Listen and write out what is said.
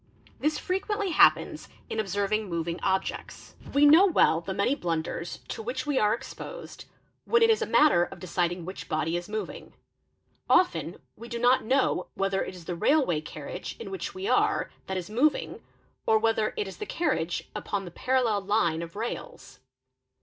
This frequently happens in observing _ moving objects: we know well the many blunders to which we are 66 EXAMINATION OF WITNESSES exposed when it is a matter of deciding which body is moving: often we — do not know whether it is the railway carriage in which we are that is — moving or whether it is the carriage upon the parallel line of rails.